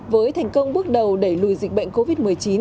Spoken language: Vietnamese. với thành công bước đầu đẩy lùi dịch bệnh covid một mươi chín